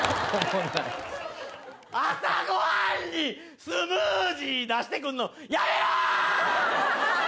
朝ご飯にスムージー出してくんのやめろ！！